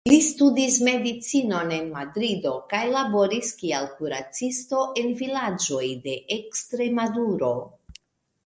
Li studis medicinon en Madrido kaj laboris kiel kuracisto en vilaĝoj de Ekstremaduro.